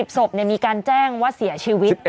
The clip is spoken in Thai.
๑๐ศพเนี่ยมีการแจ้งว่าเสียชีวิต